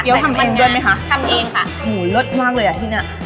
เดี๋ยวทำเองด้วยไหมคะทำเองค่ะหมูเลิศมากเลยอ่ะที่เนี้ย